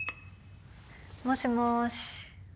もしもし。